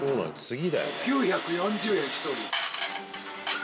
９４０円１人。